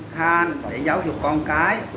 khăn để giáo dục con cái